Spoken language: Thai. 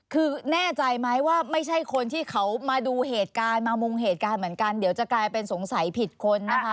คือแน่ใจไหมว่าไม่ใช่คนที่เขามาดูเหตุการณ์มามุงเหตุการณ์เหมือนกันเดี๋ยวจะกลายเป็นสงสัยผิดคนนะคะ